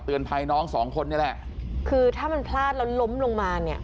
ภัยน้องสองคนนี่แหละคือถ้ามันพลาดแล้วล้มลงมาเนี่ย